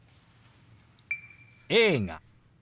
「映画」。